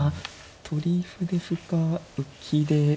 取り歩で歩か浮きで。